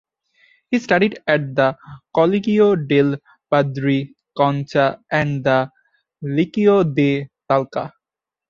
He studied at the Colegio del Padre Concha and the Liceo de Talca.